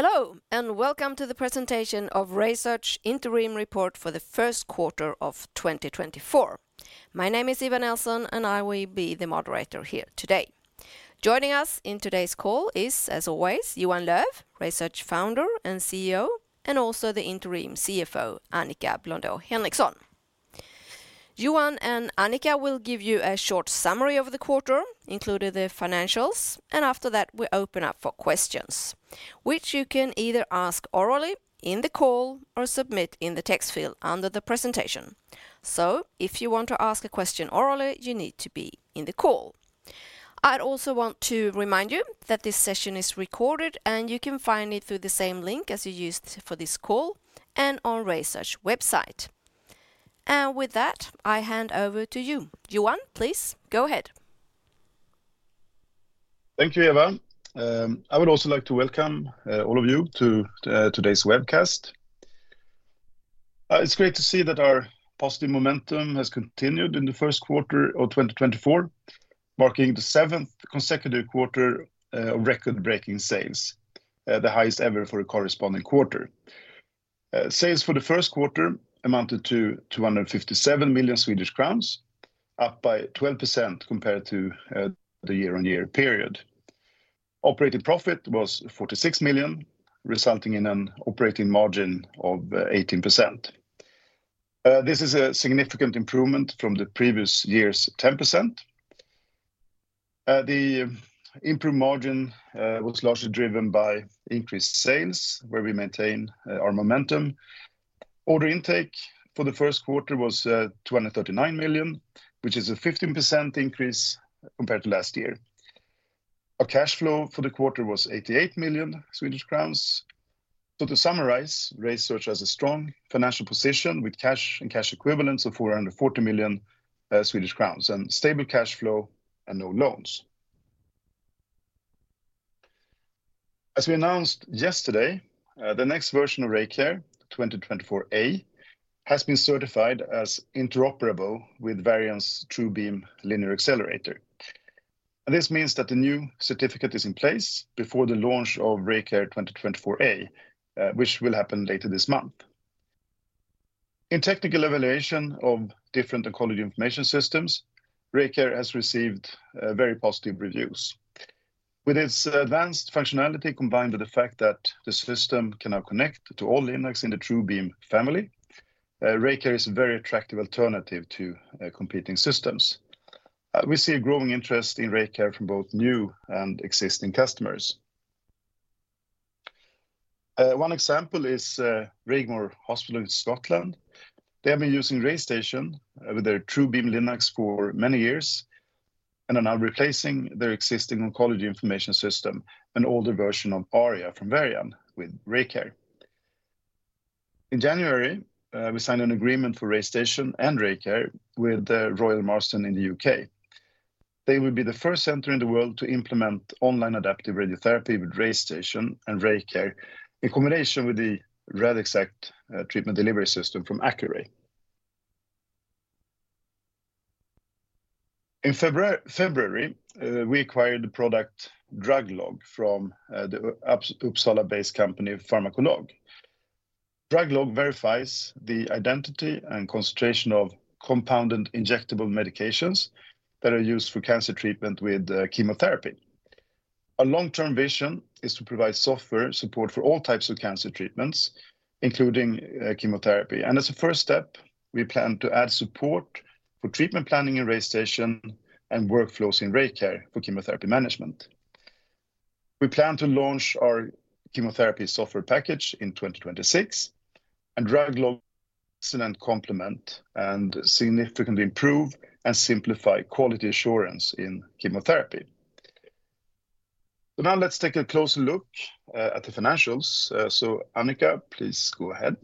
Hello, and welcome to the presentation of RaySearch Interim Report for the first quarter of 2024. My name is Eva Nelson, and I will be the moderator here today. Joining us in today's call is, as always, Johan Löf, RaySearch founder and CEO, and also the interim CFO, Annika Blondeau Henriksson. Johan and Annika will give you a short summary of the quarter, including the financials, and after that, we open up for questions, which you can either ask orally in the call or submit in the text field under the presentation. So if you want to ask a question orally, you need to be in the call. I'd also want to remind you that this session is recorded, and you can find it through the same link as you used for this call and on RaySearch website. With that, I hand over to you. Johan, please, go ahead. Thank you, Eva. I would also like to welcome all of you to today's webcast. It's great to see that our positive momentum has continued in the first quarter of 2024, marking the seventh consecutive quarter of record-breaking sales, the highest ever for a corresponding quarter. Sales for the first quarter amounted to 257 million Swedish crowns, up by 12% compared to the year-on-year period. Operating profit was 46 million, resulting in an operating margin of 18%. This is a significant improvement from the previous year's 10%. The improved margin was largely driven by increased sales, where we maintain our momentum. Order intake for the first quarter was 239 million, which is a 15% increase compared to last year. Our cash flow for the quarter was 88 million Swedish crowns. So to summarize, RaySearch has a strong financial position with cash and cash equivalents of 440 million Swedish crowns and stable cash flow and no loans. As we announced yesterday, the next version of RayCare, 2024 A, has been certified as interoperable with Varian's TrueBeam linear accelerator. This means that the new certificate is in place before the launch of RayCare 2024A, which will happen later this month. In technical evaluation of different oncology information systems, RayCare has received very positive reviews. With its advanced functionality, combined with the fact that the system can now connect to all LINACs in the TrueBeam family, RayCare is a very attractive alternative to competing systems. We see a growing interest in RayCare from both new and existing customers. One example is, Raigmore Hospital in Scotland. They have been using RayStation with their TrueBeam LINAC for many years and are now replacing their existing oncology information system, an older version of ARIA from Varian, with RayCare. In January, we signed an agreement for RayStation and RayCare with the Royal Marsden in the U.K. They will be the first center in the world to implement online adaptive radiotherapy with RayStation and RayCare, in combination with the Radixact treatment delivery system from Accuray. In February, we acquired the product DrugLog from the Uppsala-based company, Pharmacolog. DrugLog verifies the identity and concentration of compounded injectable medications that are used for cancer treatment with chemotherapy. Our long-term vision is to provide software support for all types of cancer treatments, including, chemotherapy, and as a first step, we plan to add support for treatment planning in RayStation and workflows in RayCare for chemotherapy management. We plan to launch our chemotherapy software package in 2026, and DrugLog excellent complement and significantly improve and simplify quality assurance in chemotherapy. So now let's take a closer look at the financials. So, Annika, please go ahead.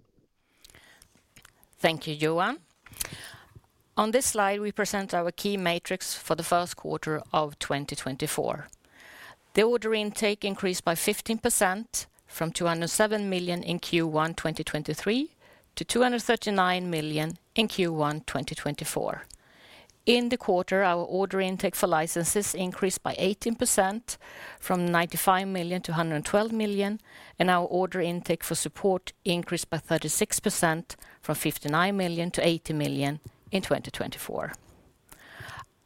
Thank you, Johan. On this slide, we present our key metrics for the first quarter of 2024. The order intake increased by 15% from 207 million in Q1 2023 to 239 million in Q1 2024. In the quarter, our order intake for licenses increased by 18% from 95 million-112 million, and our order intake for support increased by 36% from 59 million-80 million in 2024.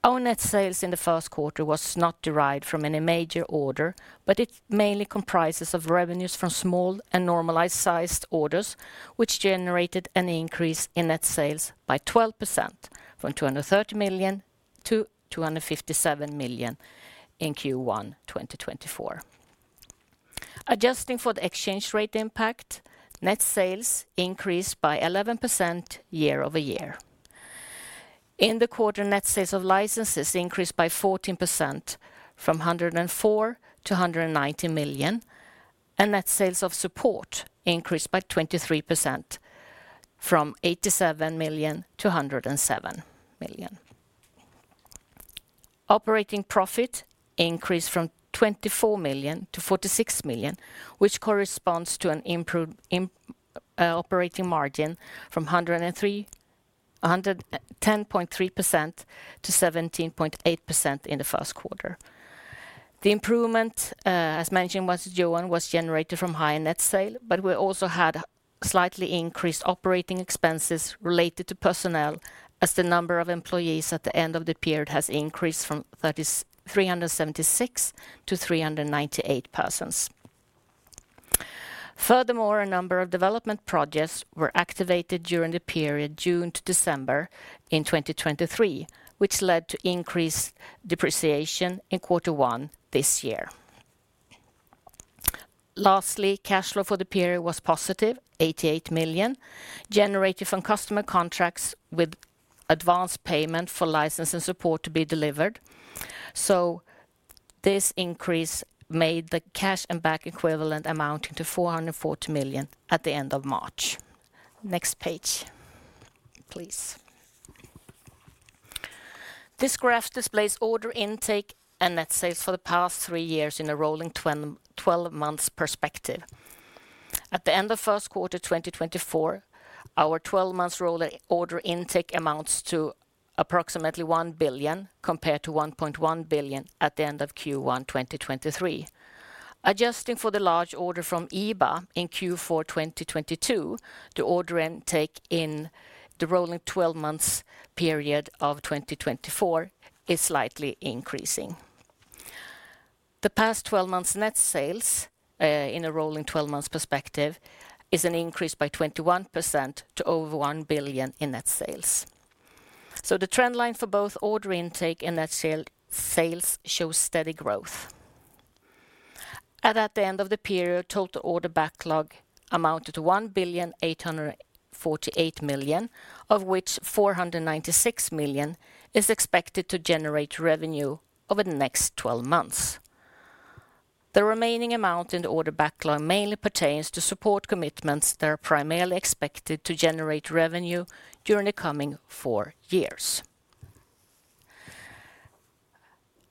Our net sales in the first quarter was not derived from any major order, but it mainly comprises of revenues from small and normalized-sized orders, which generated an increase in net sales by 12%, from 230 million-257 million in Q1 2024. Adjusting for the exchange rate impact, net sales increased by 11% year-over-year. In the quarter, net sales of licenses increased by 14% from 104 million-190 million, and net sales of support increased by 23%, from 87 million-107 million. Operating profit increased from 24 million-46 million, which corresponds to an improved operating margin from a 10.3%-17.8% in the first quarter. The improvement, as mentioned by Johan, was generated from high net sale, but we also had slightly increased operating expenses related to personnel, as the number of employees at the end of the period has increased from 376 to 398 persons. Furthermore, a number of development projects were activated during the period June to December in 2023, which led to increased depreciation in quarter one this year. Lastly, cash flow for the period was positive 88 million, generated from customer contracts with advance payment for license and support to be delivered. This increase made the cash and cash equivalents amount to 440 million at the end of March. Next page, please. This graph displays order intake and net sales for the past three years in a rolling twelve months perspective. At the end of first quarter 2024, our twelve-months rolling order intake amounts to approximately 1 billion, compared to 1.1 billion at the end of Q1 2023. Adjusting for the large order from IBA in Q4 2022, the order intake in the rolling twelve months period of 2024 is slightly increasing. The past twelve months net sales in a rolling twelve months perspective is an increase by 21% to over 1 billion in net sales. So the trend line for both order intake and net sales shows steady growth. And at the end of the period, total order backlog amounted to 1,848 million, of which 496 million is expected to generate revenue over the next twelve months. The remaining amount in the order backlog mainly pertains to support commitments that are primarily expected to generate revenue during the coming four years.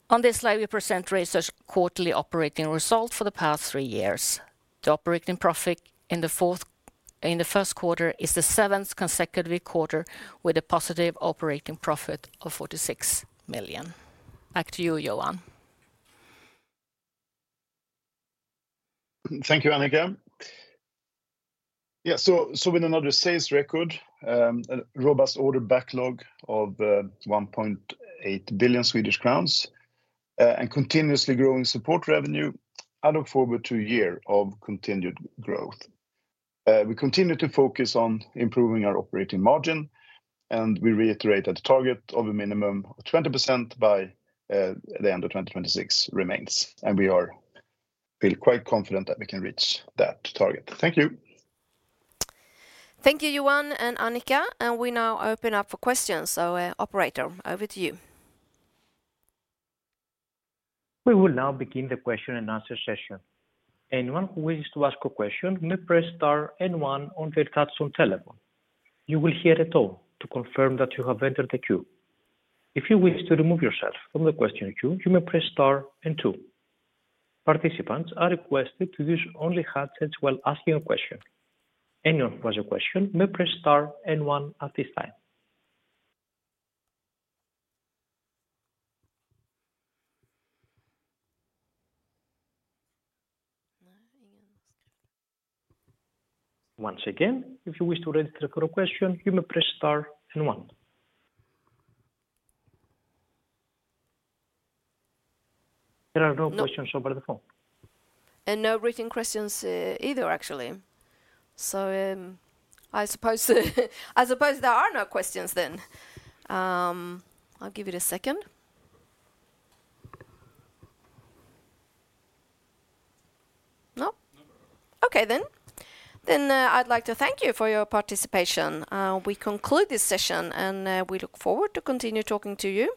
On this slide, we present RaySearch's quarterly operating result for the past three years. The operating profit in the first quarter is the seventh consecutive quarter, with a positive operating profit of 46 million. Back to you, Johan. Thank you, Annika. Yeah, so, so with another sales record, a robust order backlog of 1.8 billion Swedish crowns, and continuously growing support revenue, I look forward to a year of continued growth. We continue to focus on improving our operating margin, and we reiterate that the target of a minimum of 20% by the end of 2026 remains, and we are feel quite confident that we can reach that target. Thank you. Thank you, Johan and Annika, and we now open up for questions. So, operator, over to you. We will now begin the question and answer session. Anyone who wishes to ask a question may press star and one on their touchtone telephone. You will hear a tone to confirm that you have entered the queue. If you wish to remove yourself from the question queue, you may press star and two. Participants are requested to use only handsets while asking a question. Anyone who has a question may press star and one at this time. Once again, if you wish to register a question, you may press star and one. There are no questions over the phone. And no written questions, either, actually. So, I suppose there are no questions then. I'll give it a second. No? No. Okay, then. I'd like to thank you for your participation. We conclude this session, and we look forward to continue talking to you.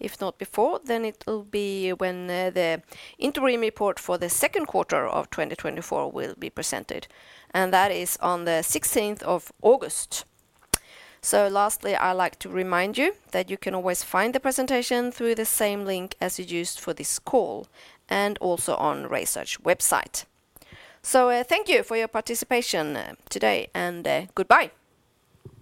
If not before, then it will be when the interim report for the second quarter of 2024 will be presented, and that is on the sixteenth of August. Lastly, I'd like to remind you that you can always find the presentation through the same link as you used for this call and also on RaySearch website. Thank you for your participation today, and goodbye!